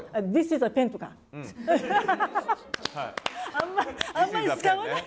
あんまあんまり使わない。